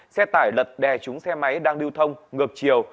xe tải lật đè chúng xe máy đang lưu thông ngược chiều